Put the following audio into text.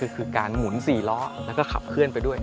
คือการหมุน๔ล้อแล้วก็ขับเคลื่อนไปด้วย